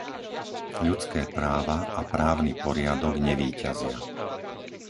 Ľudské práva a právny poriadok nevíťazia.